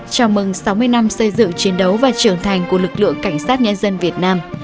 chào mừng sáu mươi năm xây dựng chiến đấu và trưởng thành của lực lượng cảnh sát nhân dân việt nam